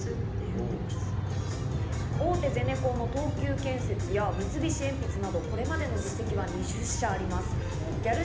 大手ゼネコンの東急建設や三菱鉛筆など、これまでの実績は２０社あります。